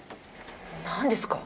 何ですか？